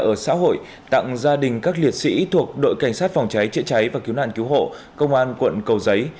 ở xã hội tặng gia đình các liệt sĩ thuộc đội cảnh sát phòng cháy chữa cháy và cứu nạn cứu hộ công an quận cầu giấy